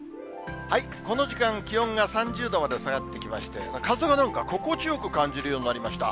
この時間、気温が３０度まで下がってきまして、風がなんか心地よく感じるようになりました。